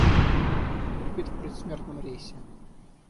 Хрипит в предсмертном рейсе.